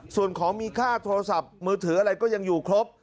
ส่วนของมีค่าโทรศัพท์มือถืออะไรก็ยังอยู่ครบ